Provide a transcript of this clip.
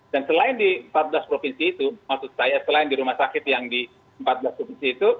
dan selain di empat belas provinsi itu maksud saya selain di rumah sakit yang di empat belas provinsi itu